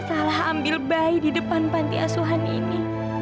salah ambil bayi di depan pantiasuhan ini